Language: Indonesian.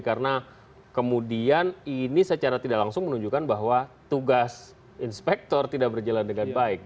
karena kemudian ini secara tidak langsung menunjukkan bahwa tugas inspektor tidak berjalan dengan baik